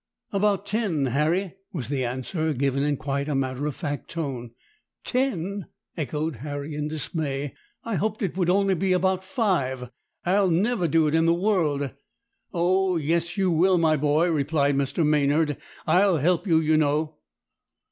"About ten, Harry," was the answer, given in quite a matter of fact tone. "Ten!" echoed Harry in dismay. "I hoped it would only be about five. I'll never do it in the world." "Oh yes, you will, my boy!" replied Mr. Maynard. "I'll help you you know."